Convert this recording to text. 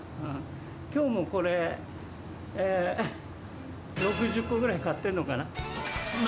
きょうもこれ、６０個くらい買ってるのかな。